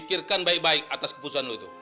pikirkan baik baik atas keputusan lo itu